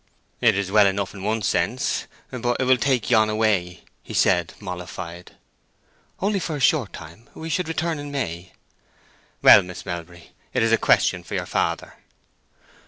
"It is well enough in one sense, but it will take you away," said he, mollified. "Only for a short time. We should return in May." "Well, Miss Melbury, it is a question for your father."